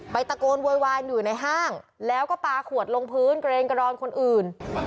ตะโกนโวยวายอยู่ในห้างแล้วก็ปลาขวดลงพื้นเกรงกระดอนคนอื่น